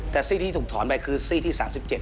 แต่ซี่ที่ถูกถอนไปคือซี่ที่๓๗